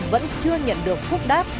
vẫn chưa nhận được phúc đáp